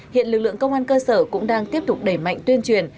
hiện lực lượng công an cơ sở cũng đang tiếp tục đẩy mạnh tuyên truyền